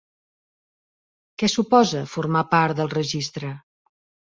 Què suposa formar part del registre?